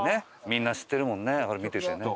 みんな知ってるもんね見ててね。